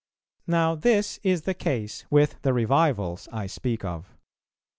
Now this is the case with the revivals I speak of.